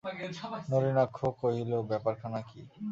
নলিনাক্ষ কহিল, ব্যাপারখানা কী?